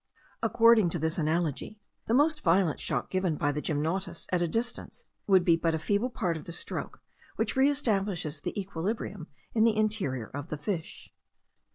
According to this analogy, the most violent shock given by the gymnotus at a distance would be but a feeble part of the stroke which re establishes the equilibrium in the interior of the fish.